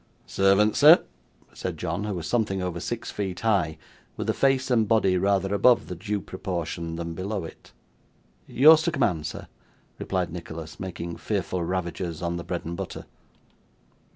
'Servant, sir,' said John, who was something over six feet high, with a face and body rather above the due proportion than below it. 'Yours to command, sir,' replied Nicholas, making fearful ravages on the bread and butter.